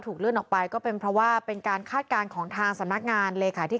เลื่อนออกไปก็เป็นเพราะว่าเป็นการคาดการณ์ของทางสำนักงานเลขาธิการ